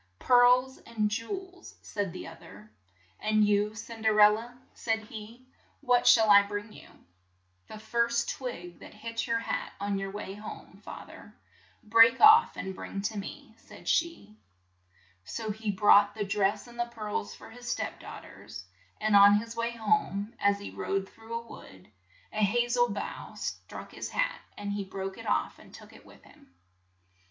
"Pearls and jew els," said the oth er. "And you, Cin .der el la, " said he, "what shall I bring you?" "The first twig that hits your hat on your way home, fa ther, break off and bring to me," said she. So he brought the dress and the pearls for his step daugh ters, and on his way home, as he rode through a wood, a ha zel bough struck his hat, and he broke it off and took it with him.